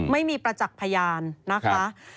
ไม่มีประจักษ์พยานนะคะ